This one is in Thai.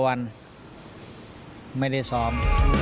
๑๐กว่าวันไม่ได้ซ้อม